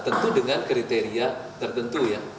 tentu dengan kriteria tertentu ya